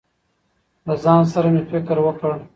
له ځان سره مې فکر وکړ.